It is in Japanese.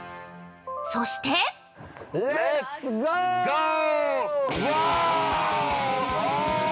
◆そして。◆レッツゴー！